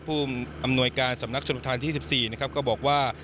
อำนวยการสำนักชนประธานที่๑๔นะครับก็บอกว่า